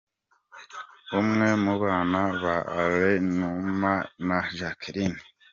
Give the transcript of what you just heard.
Umwe mu bana ba Alain Numa na Jacqueline.